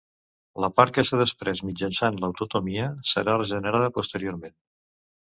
La part que s'ha desprès mitjançant l'autotomia serà regenerada posteriorment.